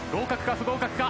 不合格か？